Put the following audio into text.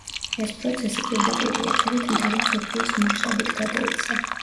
ეს პროცესი პირდაპირი ეთერით მთელი მსოფლიოს მასშტაბით გადაიცა.